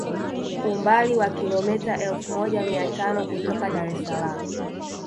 Umbali wa kilometa elfu moja mia tano kutoka Dar es Salaam